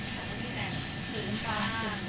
สองชั่ว